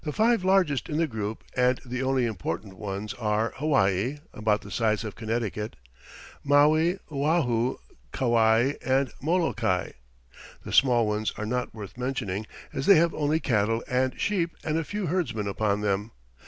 The five largest in the group, and the only important ones, are Hawaii, about the size of Connecticut, Maui, Oahu, Kauai and Molokai. The small ones are not worth mentioning, as they have only cattle and sheep and a few herdsmen upon them.